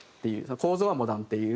構造はモダンっていう。